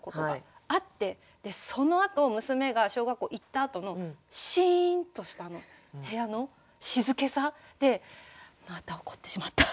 でそのあと娘が小学校行ったあとのシーンとした部屋の静けさでまた怒ってしまった。